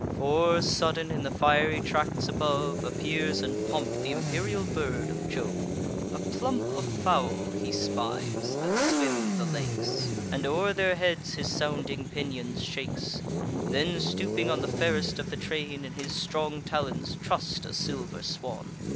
For, sudden, in the fiery tracts above, Appears in pomp th' imperial bird of Jove: A plump of fowl he spies, that swim the lakes, And o'er their heads his sounding pinions shakes; Then, stooping on the fairest of the train, In his strong talons truss'd a silver swan.